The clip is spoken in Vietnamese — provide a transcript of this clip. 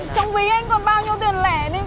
trong ví anh còn bao nhiêu tiền lẻ đấy